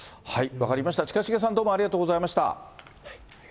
分かりました、近重さん、どうもありがとうございました。